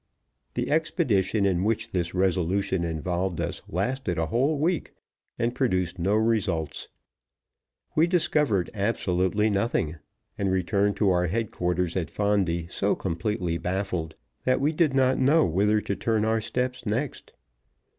The expedition in which this resolution involved us lasted a whole week, and produced no results. We discovered absolutely nothing, and returned to our headquarters at Fondi so completely baffled that we did not know whither to turn our steps next.